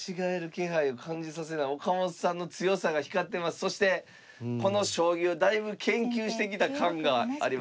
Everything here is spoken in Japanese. そしてこの将棋をだいぶ研究してきた感がありますね。